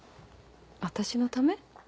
私のため？